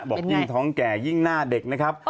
บอกยิ่งท้องแก่ยิ่งหน้าเด็กนะครับ